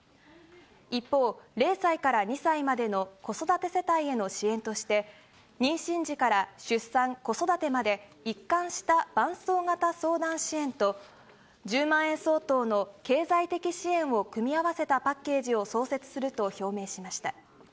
一方、０歳から２歳までの子育て世帯への支援として、妊娠時から出産・子育てまで、一貫した伴走型相談支援と、１０万円相当の経済的支援を組み合わせたパッケージを創設すると表明しました。